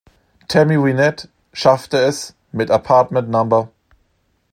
Tammy Wynette schaffte es mit "Apartment No.